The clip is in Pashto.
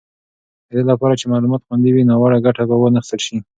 د دې لپاره چې معلومات خوندي وي، ناوړه ګټه به وانخیستل شي.